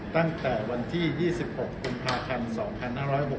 ตั้งแต่วันที่๒๖กุมภาพันธ์๒๕๖๖